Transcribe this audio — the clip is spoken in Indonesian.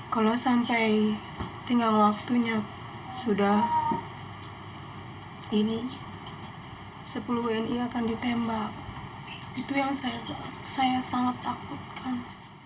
kalau sampai tinggal waktunya sudah ini sepuluh wni akan ditembak itu yang saya sangat takutkan